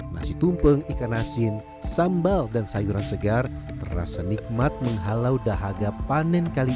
nasi tumpeng ikan asin sambal dan sayuran segar terasa nikmat menghalau dahaga panen kali ini